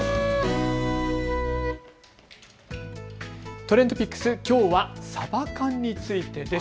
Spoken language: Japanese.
ＴｒｅｎｄＰｉｃｋｓ、きょうはサバ缶についてです。